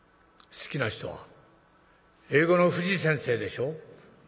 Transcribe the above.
好きな人は英語の藤先生でしょ？」。